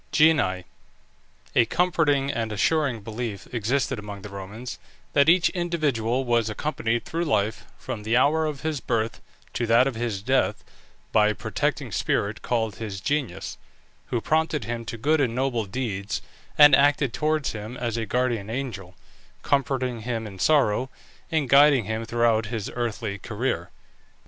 GENII. A comforting and assuring belief existed among the Romans, that each individual was accompanied through life, from the hour of his birth to that of his death, by a protecting spirit, called his genius, who prompted him to good and noble deeds, and acted towards him as a guardian angel, comforting him in sorrow, and guiding him throughout his earthly career.